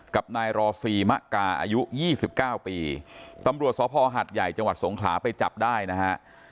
กับนายรอซีมะกาอายุ๒๙ปีตำรวจสภหัดใหญ่จังหวัดสงขลาไปจับได้นะฮะ